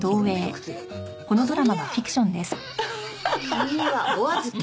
君はお預け！